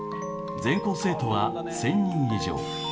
全校生徒は１，０００人以上。